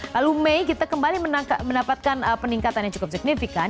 lalu mei kita kembali mendapatkan peningkatan yang cukup signifikan